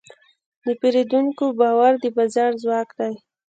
د پیرودونکي باور د بازار ځواک دی.